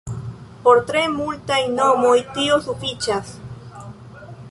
Por tre multaj nomoj tio sufiĉas.